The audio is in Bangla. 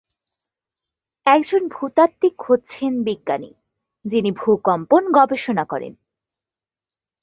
একজন ভূতাত্ত্বিক হচ্ছেন বিজ্ঞানী যিনি ভূকম্পন গবেষণা করেন।